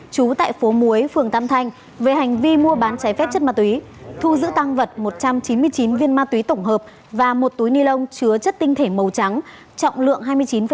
trú tại phố muối phường tam thanh về hành vi mua bán trái phép chất ma túy thu giữ tăng vật một trăm chín mươi chín viên ma túy tổng hợp và một túi nilon chứa chất tinh thể màu trắng trọng lượng hai mươi chín bảy trăm chín mươi chín gram ma túy tổng hợp